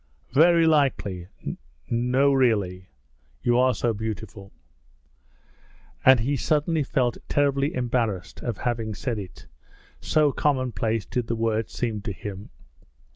'Very likely!' 'No really. You are so beautiful!' And he suddenly felt terribly ashamed of having said it, so commonplace did the words seem to him.